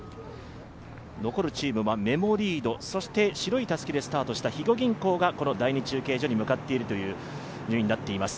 残るチームはメモリード、そして白いたすきでスタートした肥後銀行が第２中継所に向かっているという順位になっています。